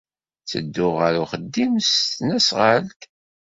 Ttedduɣ ɣer uxeddim s tesnasɣalt.